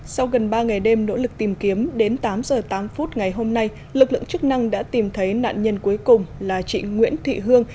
sau gần ba ngày đêm nỗ lực tìm kiếm đến tám giờ tám phút ngày hôm nay lực lượng chức năng đã tìm thấy nạn nhân cuối cùng là chị nguyễn thị hương